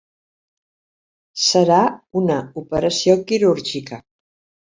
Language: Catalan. Serà una operació quirúrgica.